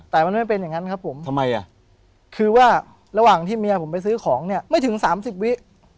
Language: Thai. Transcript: แต่มันไม่เป็นอย่างนั้นครับผมทำไมอ่ะคือว่าระหว่างที่เมียผมไปซื้อของเนี่ยไม่ถึง๓๐วิ